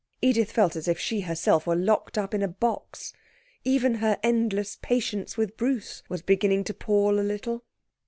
Edith felt as if she herself were locked up in a box. Even her endless patience with Bruce was beginning to pall a little.